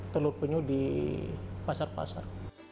telur penyu di pasar pasar